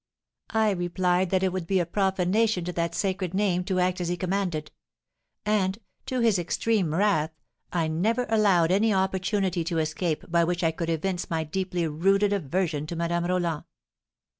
I replied that it would be a profanation to that sacred name to act as he commanded; and, to his extreme wrath, I never allowed any opportunity to escape by which I could evince my deeply rooted aversion to Madame Roland.